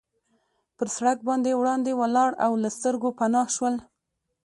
پر سړک باندې وړاندې ولاړل او له سترګو پناه شول.